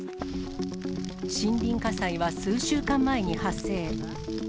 森林火災は数週間前に発生。